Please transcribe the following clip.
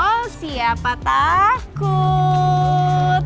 wow siapa takut